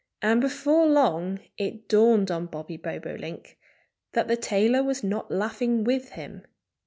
And before long it dawned on Bobby Bobolink that the tailor was not laughing with him.